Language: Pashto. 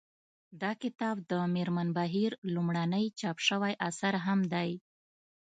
دا کتاب د مېرمن بهیر لومړنی چاپ شوی اثر هم دی